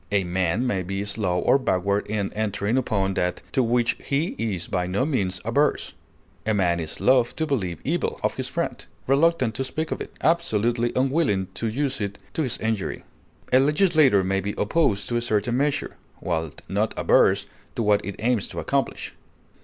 A man may be slow or backward in entering upon that to which he is by no means averse. A man is loath to believe evil of his friend, reluctant to speak of it, absolutely unwilling to use it to his injury. A legislator may be opposed to a certain measure, while not averse to what it aims to accomplish.